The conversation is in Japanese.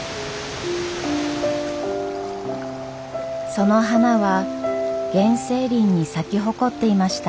その花は原生林に咲き誇っていました。